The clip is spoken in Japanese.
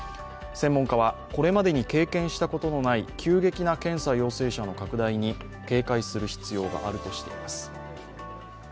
専門家は、これまでに経験したことのない急激な検査陽性者の拡大に警戒する必要があるとしています。